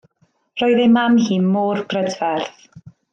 Roedd ei mam hi mor brydferth.